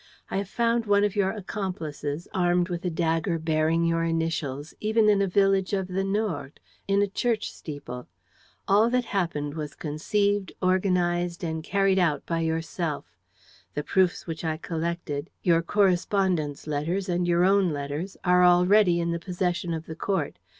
I have found one of your accomplices, armed with a dagger bearing your initials, even in a village of the Nord, in a church steeple. All that happened was conceived, organized and carried out by yourself. The proofs which I collected, your correspondent's letters and your own letters, are already in the possession of the court.